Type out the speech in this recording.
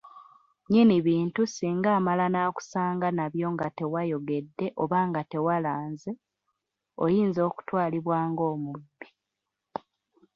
Nnyini bintu singa amala n’akusanga nabyo nga tewayogedde oba nga tewalanze, oyinza okutwalibwa ng’omubbi.